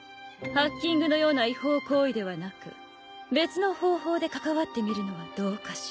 ハッキングのような違法行為ではなく別の方法で関わってみるのはどうかしら？